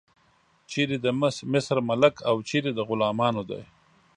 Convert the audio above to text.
چیرې د مصر ملک او چیرې د غلامانو دی.